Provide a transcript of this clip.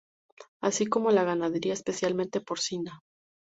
Así como la ganadería, especialmente porcina.